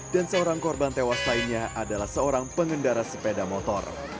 dan seorang korban tewas lainnya adalah seorang pengendara sepeda motor